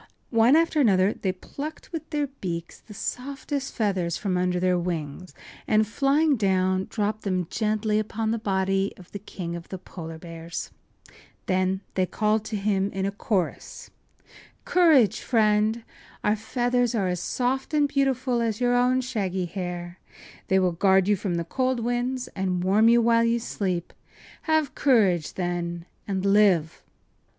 One after another they plucked with their beaks the softest feathers from under their wings, and, flying down, dropped then gently upon the body of the King of the Polar Bears. Then they called to him in a chorus: “Courage, friend! Our feathers are as soft and beautiful as your own shaggy hair. They will guard you from the cold winds and warm you while you sleep. Have courage, then, and live!